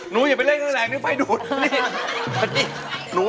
น้อยดูลายมอนมานี่ก่อน